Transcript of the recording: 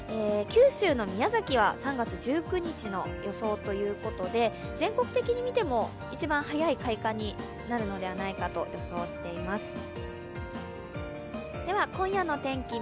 九州の宮崎は３月１９日の予想ということで全国的にみても、一番早い開花になるのではないかと予想しています。